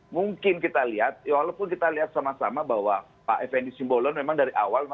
mungkin kita lihat walaupun kita lihat sama sama bahwa pak fnd simbolon memang dari awal